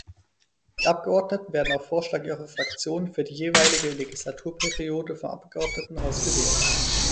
Die Abgeordneten werden auf Vorschlag ihrer Fraktionen für die jeweilige Legislaturperiode vom Abgeordnetenhaus gewählt.